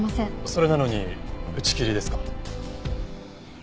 それなのに打ち切りですか？